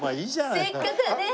せっかくねっ！